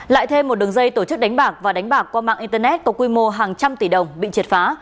lại thêm một đường dây tổ chức đánh bạc và đánh bạc qua mạng internet có quy mô hàng trăm tỷ đồng bị triệt phá